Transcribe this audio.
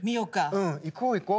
うん行こう行こう。